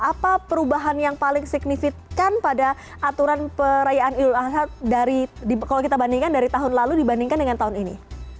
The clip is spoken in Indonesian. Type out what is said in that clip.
apa perubahan yang paling signifikan pada aturan perayaan idul adha kalau kita bandingkan dari tahun lalu dibandingkan dengan tahun ini